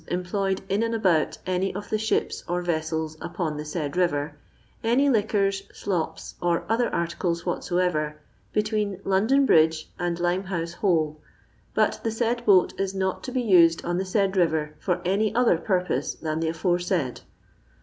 •ODi employed in and abont anjr of the tbipe or TOMeli upon the laid rirer, any liquon, ilopiy or other articles whatsoever, between London Bridge and Limehouse Hole ; but the said boat is not to be used on the said rirer for any other purpose than the aforesaid.